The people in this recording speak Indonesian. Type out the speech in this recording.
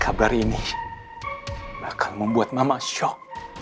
kabar ini bakal membuat mama shock